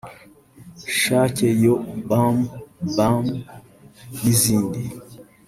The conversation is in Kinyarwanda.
Shake Yo Bam Bam n’izindi